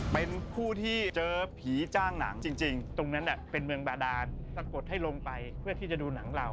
เป็นผู้ที่เจอผีจ้างหนังจริงตรงนั้นเป็นเมืองบาดานสะกดให้ลงไปเพื่อที่จะดูหนังเรา